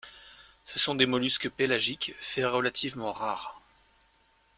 Ce sont des mollusques pélagiques, fait relativement rare.